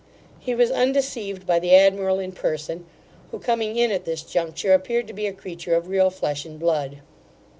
He was undeceived by the admiral in person, who, coming in at this juncture, appeared to be a creature of real flesh and blood.